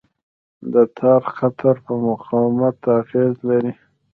د تار قطر په مقاومت اغېز لري.